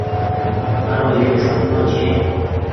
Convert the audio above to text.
مآرو ايڪ سپنو ڇي۔